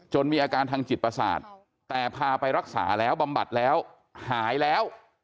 มีอาการทางจิตประสาทแต่พาไปรักษาแล้วบำบัดแล้วหายแล้ว